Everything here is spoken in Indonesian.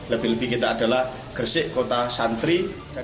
lebih lebih kita adalah gresik kota santri